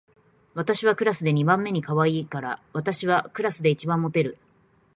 私はクラスで二番目にかわいいから、私はクラスで一番モテる